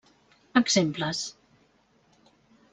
Exemples: